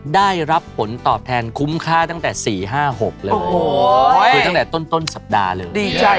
ได้รับผลตอบแทนคุ้มค่าตั้งแต่๔๕๖เลยคือตั้งแต่ต้นสัปดาห์เลยดีใจ